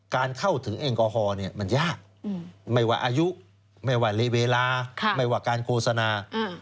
เข้าถึงแอลกอฮอล์มันยากไม่ว่าอายุไม่ว่าในเวลาไม่ว่าการโฆษณา